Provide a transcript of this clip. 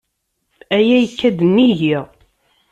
Aya yekka-d nnig-i.